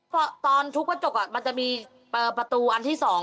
เพราะว่าตอนทุบกระจกอ่ะมันจะมีเอ่อประตูอันที่สอง